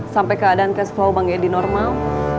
sampai keadaan cash flow bang edi normal